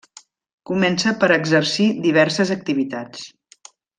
Comença per exercir diverses activitats.